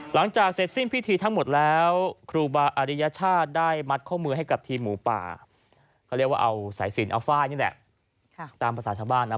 หลังจากเสร็จสิ้นพิธีทั้งหมดแล้วครูบาอริยชาติได้มัดข้อมือให้กับทีมหมูป่าเขาเรียกว่าเอาสายสินเอาฝ้ายนี่แหละตามภาษาชาวบ้านนะ